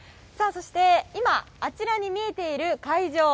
そして、今あちらに見えている会場